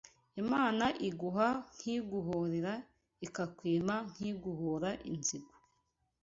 Imana iguha nk’iguhorera ikakwima nk’iguhora inzigo